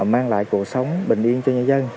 mang lại cuộc sống bình yên cho nhân dân